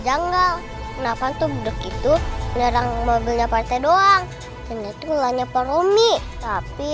janggal kenapa tuh begitu menyerang mobilnya partai doang dan itu uangnya pak romi tapi